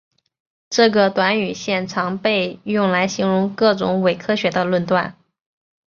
这个短语现常被用来形容各种伪科学的论断。